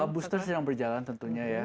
booster sedang berjalan tentunya ya